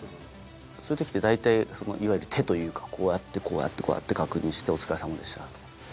そういう時って大体いわゆる手というかこうやってこうやって確認してお疲れさまでした。